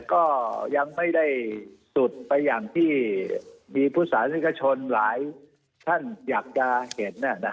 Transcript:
แต่ก็ยังไม่ได้สุดไปอย่างที่มีผู้สาธิกชนหลายท่านอยากจะเห็นนะครับ